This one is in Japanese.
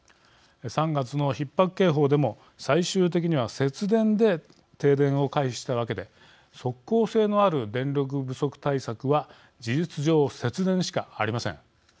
３月のひっ迫警報でも最終的には節電で停電を回避したわけで即効性のある電力不足対策は事実上、節電しかありません。